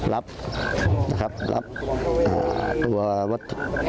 รับตัววัด